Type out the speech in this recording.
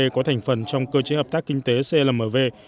có thành phần trong cơ chế hợp tác kinh tế clmv